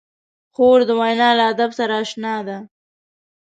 خور د وینا له ادب سره اشنا ده.